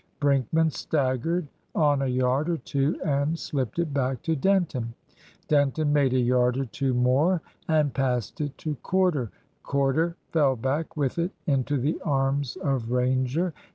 Brinkman staggered on a yard or two and slipped it back to Denton. Denton made a yard or two more and passed it to Corder. Corder fell back with it into the arms of Ranger.